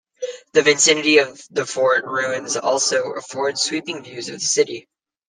The vicinity of the fort ruins also afford sweeping views of the city.